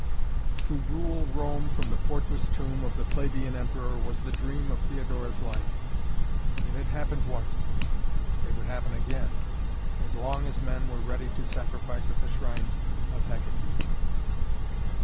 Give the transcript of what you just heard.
To rule Rome from the fortress tomb of the Flavian emperor was the dream of Theodora's life. It had happened once. It would happen again, as long as men were ready to sacrifice at the shrines of Hekaté.